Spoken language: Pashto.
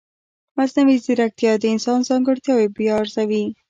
مصنوعي ځیرکتیا د انسان ځانګړتیاوې بیا ارزوي.